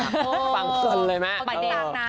ฟังกันเลยแม่